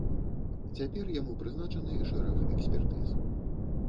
Цяпер яму прызначаны шэраг экспертыз.